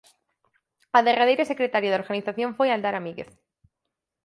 A derradeira secretaria de organización foi Aldara Míguez.